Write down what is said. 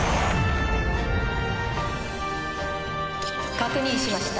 確認しました。